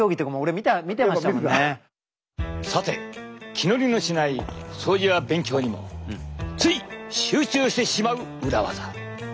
さて気乗りのしない掃除や勉強にもつい集中してしまう裏技。